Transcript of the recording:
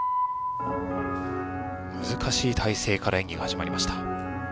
難しい体勢から演技が始まりました。